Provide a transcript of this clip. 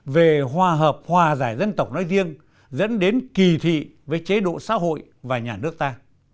về hòa hợp hòa giải dân tộc nói riêng dẫn đến kỳ thị với chế độ xã hội và nhà nước ta